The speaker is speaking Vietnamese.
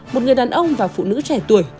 một người đàn ông và phụ nữ trẻ tuổi